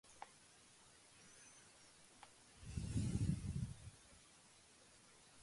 There are several Hungarian cultural associations in the village.